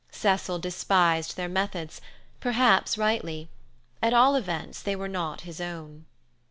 Cecil despised their methods—perhaps rightly. At all events, they were not his own.